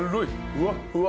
ふわっふわ。